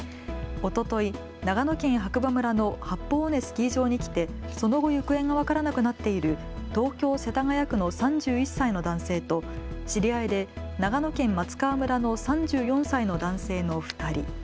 おととい、長野県白馬村の八方尾根スキー場に来てその後行方が分からなくなっている東京世田谷区の３１歳の男性と知り合いで長野県松川村の３４歳の男性の２人。